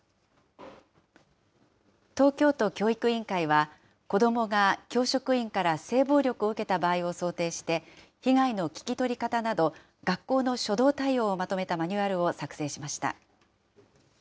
東京都教育委員会は、子どもが教職員から性暴力を受けた場合を想定して、被害の聞き取り方など学校の初動対応をまとめたマニュアルを作成しました。